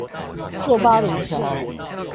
舊巴陵橋